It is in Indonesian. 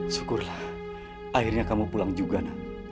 syukurlah akhirnya kamu pulang juga nanti